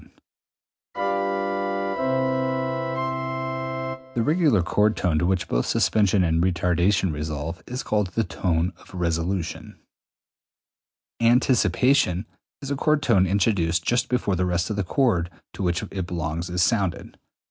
] The "regular chord tone" to which both suspension and retardation resolve is called the tone of resolution. 212. The anticipation is a chord tone introduced just before the rest of the chord to which it belongs is sounded.